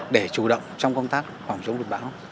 để chủ động trong công tác phòng chống lụt bão